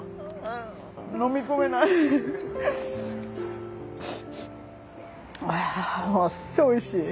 飲み込めない。